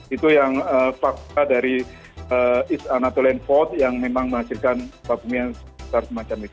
itu yang fakta dari east anatolian fault yang memang menghasilkan gempa bumi yang semacam itu